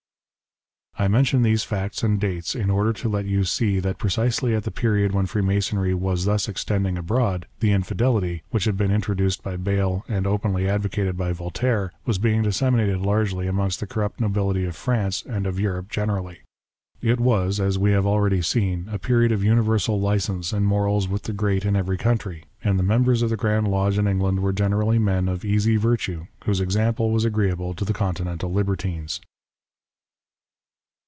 I mention these facts and dates in order to let you see that precisely at the period when Freemasonry was thus extending abroad, the Infidelity, which had been introduced by Bayle and openly advocated by Voltaire, was being disseminated largely amongst the corrupt nobility of France and of Europe generally. It was, as we have already seen, a period of universal licence in morals with the great in every country, and the members of the Grand Lodge in England were generally men of easy virtue whose example was agreeable to Continental libertines.